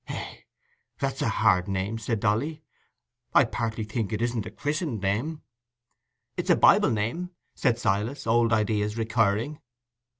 "Eh, that's a hard name," said Dolly. "I partly think it isn't a christened name." "It's a Bible name," said Silas, old ideas recurring.